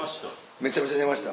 めちゃめちゃ寝ました。